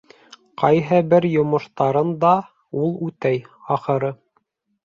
Ҡайһы бер йомоштарын да ул үтәй, ахыры.